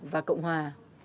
và cộng hòa